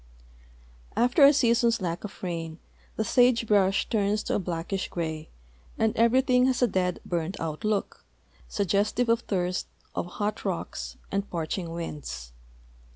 After a season's lack of rain the sage brush turns to a blackish gray and everything has a dead, hurned out look, suggestive of thirst, of hot rocks, and parching winds.